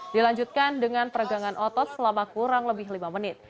dilanjutkan dengan peregangan otot selama kurang lebih lima menit